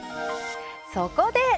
そこで！